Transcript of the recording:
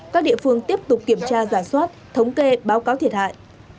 các địa phương tiếp tục kiểm tra giả soát thống kê báo cáo thiệt hại